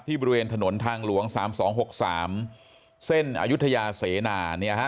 ที่บริเวณถนนทางหลวงสามสองหกสามเส้นอายุทยาเสนาเนี้ยฮะ